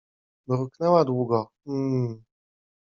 Mruknęła długo: — Hmmm.